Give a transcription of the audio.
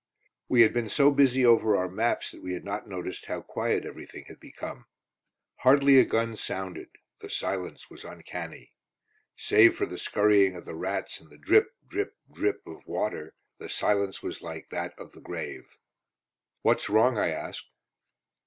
We had been so busy over our maps that we had not noticed how quiet everything had become. Hardly a gun sounded; the silence was uncanny. Save for the scurrying of the rats and the drip drip drip of water, the silence was like that of the grave. "What's wrong?" I asked.